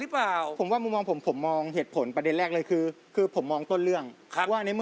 ๓ทีไม่ต้องโชว์ก็โชว์ได้